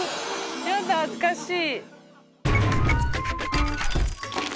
やだ恥ずかしい。